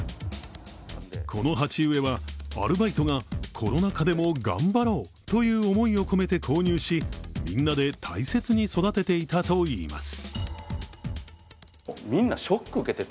この鉢植えはアルバイトがコロナ禍でも頑張ろうという思いを込めて購入し、みんなで大切に育てていたといいます。